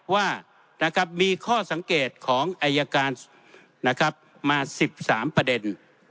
ว่ามีข้อสังเกตของอายการมา๑๓ประเด็น